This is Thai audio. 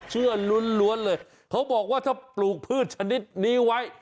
ล้วนเลยเขาบอกว่าถ้าปลูกพืชชนิดนี้ไว้